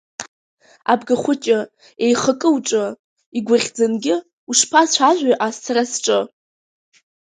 Абгахәыҷы еихакы уҿы, игәаӷьӡангьы ушԥацәажәои ас сара сҿы.